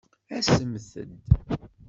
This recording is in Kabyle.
Asemt-d!